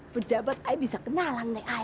pejabat ay bisa kenalan deh ay